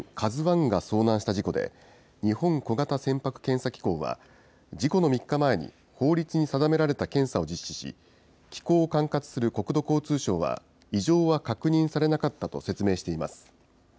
ＫＡＺＵＩが遭難した事故で、日本小型船舶検査機構は、事故の３日前に法律に定められた検査を実施し、機構を管轄する国土交通省は、異常は確認されなかったと説明しています。